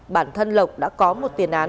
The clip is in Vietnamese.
bản thân lộc đã có một tiền án